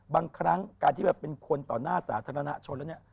บางครั้งการที่แบบเป็นคนต่อหน้าสาธารณชนแล้วเนี่ย